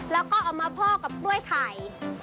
แล้วก็เอามาพ่อกับกล้วยไข่